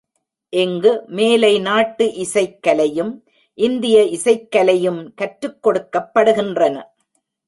இங்கு மேலை நாட்டு இசைக்கலையும், இந்திய இசைக்கலையும் கற்றுக்கொடுக்கப்படுகின்றன.